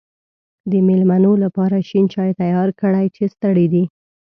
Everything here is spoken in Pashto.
د مېلمنو لپاره شین چای تیار کړی چې ستړی دی.